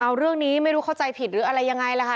เอาเรื่องนี้ไม่รู้เข้าใจผิดหรืออะไรยังไงล่ะค่ะ